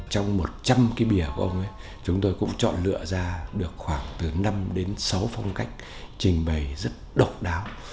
trong một trăm linh cái bìa của ông ấy chúng tôi cũng chọn lựa ra được khoảng từ năm đến sáu phong cách trình bày rất độc đáo